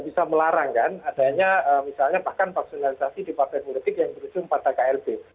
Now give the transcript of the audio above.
bisa melarangkan adanya misalnya bahkan vaksinalisasi di partai politik yang berhubung pada klb